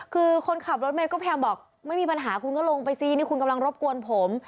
คือคนขับรถเมย์ก็พยายามบอกไม่มีปัญหาคุณก็ลงไปซินี่คุณกำลังรบกวนผม